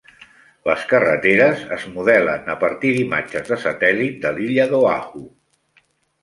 Les carreteres es modelen a partir d'imatges de satèl·lit de l'illa d'Oahu.